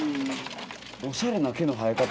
おしゃれな毛の生え方。